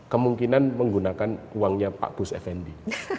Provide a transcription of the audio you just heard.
kemungkinan menggunakan uangnya pak bus effendi